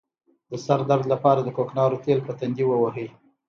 د سر درد لپاره د کوکنارو تېل په تندي ووهئ